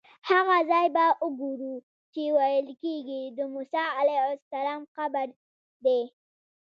هغه ځای به وګورو چې ویل کېږي د موسی علیه السلام قبر دی.